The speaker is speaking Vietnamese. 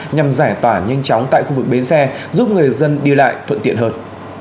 nhằm giải tỏa nhanh chóng tại khu vực bến xe giúp người dân đi lại thuận tiện hơn